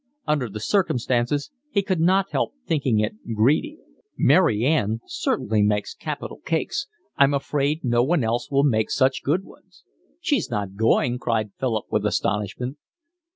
Under the circumstances he could not help thinking it greedy. "Mary Ann certainly makes capital cakes. I'm afraid no one else will make such good ones." "She's not going?" cried Philip, with astonishment.